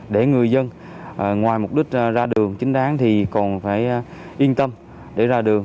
để người dân ngoài mục đích ra đường chính đáng thì còn phải yên tâm để ra đường